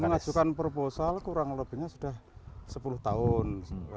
mengajukan proposal kurang lebihnya sudah sepuluh tahun